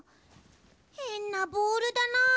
へんなボールだな。